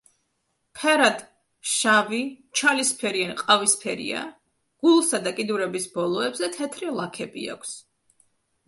ფერად შავი, ჩალისფერი ან ყავისფერია, გულსა და კიდურების ბოლოებზე თეთრი ლაქები აქვს.